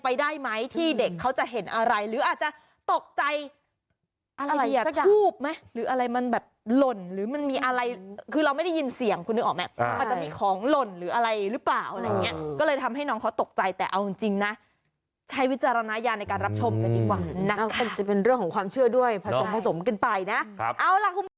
อะไรหรือเปล่าอะไรอย่างเงี้ยก็เลยทำให้น้องเขาตกใจแต่เอาจริงจริงนะใช้วิจารณายาในการรับชมกันดีกว่านะน่าว่าจะเป็นเรื่องของความเชื่อด้วยผสมผสมกันไปนะครับเอาล่ะคุณผู้ชม